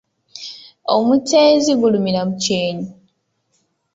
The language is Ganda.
Omuteezi gulumira mu kyennyi.